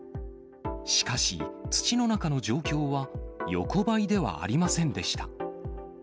しかし、土の中の状況は横ばいではありませんでした。